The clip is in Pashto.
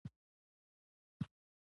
موږ قومونه د اشخاصو پر بنسټ سنجوو.